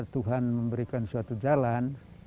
tuhan memberikan suatu jalan